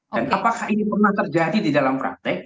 dan apakah ini pernah terjadi di dalam praktek